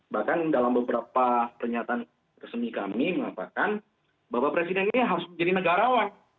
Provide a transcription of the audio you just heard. bahkan dalam beberapa pernyataan resmi kami mengatakan bapak presiden ini harus menjadi negarawan